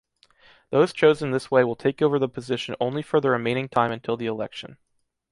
Those chosen this way will take over the position only for the remaining time until the election.